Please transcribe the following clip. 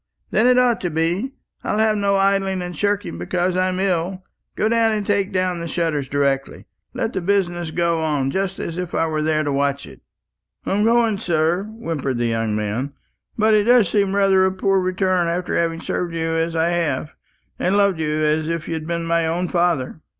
"Then it ought to be. I'll have no idling and shirking because I'm ill. Go down and take down the shutters directly. Let the business go on just as if I was there to watch it." "I'm going, sir," whimpered the young man; "but it does seem rather a poor return after having served you as I have, and loved you as if you'd been my own father."